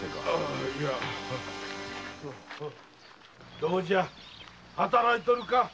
どうじゃ働いとるか？